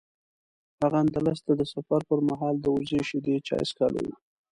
هغه اندلس ته د سفر پر مهال د وزې شیدو چای څښلي و.